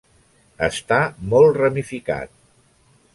Està molt ramificat.